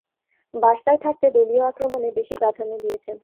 বার্সায় থাকতে দলীয় আক্রমণে বেশি প্রাধান্য দিয়েছেন।